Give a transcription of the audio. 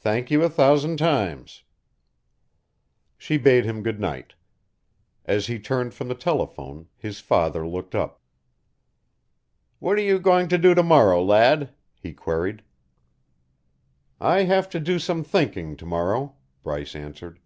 Thank you a thousand times." She bade him good night. As he turned from the telephone, his father looked up. "What are you going to do to morrow, lad?" he queried. "I have to do some thinking to morrow," Bryce answered.